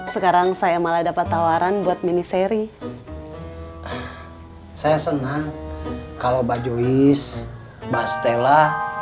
sekarang saya malah dapat tawaran buat miniseri saya senang kalau mbak joyce mbak stella